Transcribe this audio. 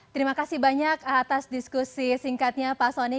terima kasih banyak atas diskusi singkatnya pak soni